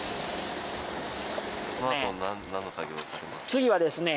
次はですね